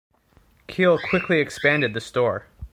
Keil quickly expanded the store.